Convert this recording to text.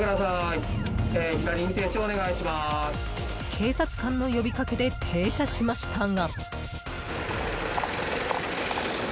警察官の呼びかけで停車しましたが。